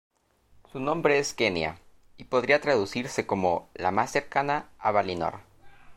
Su nombre es Quenya y podría traducirse como "La más cercana a Valinor".